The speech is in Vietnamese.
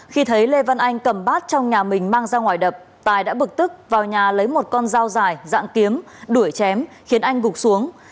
khi thấy lê văn anh cầm bát trong nhà mình mang ra ngoài đập tài đã bực tức vào nhà lấy một con dao dài dạng kiếm đuổi chém khiến anh gục xuống